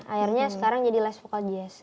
akhirnya sekarang jadi les vocal jazz